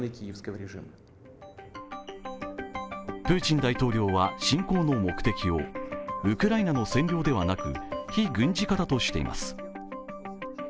プーチン大統領は、侵攻の目的をウクライナの占領ではなく非軍事化だとしています。